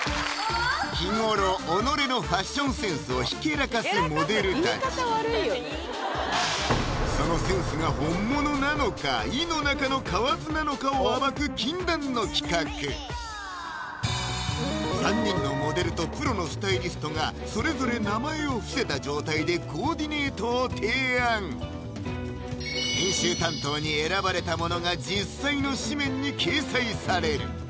日頃己のファッションセンスをひけらかすモデルたちそのセンスが本物なのか井の中の蛙なのかを暴く禁断の企画３人のモデルとプロのスタイリストがそれぞれ名前を伏せた状態でコーディネートを提案編集担当に選ばれたものが実際の誌面に掲載される